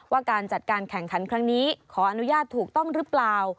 ว่าการจัดการแข่งขันครั้งนี้ขออนุญาตถูกต้องหรือเปล่า